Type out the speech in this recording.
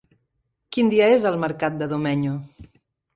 Quin dia és el mercat de Domenyo?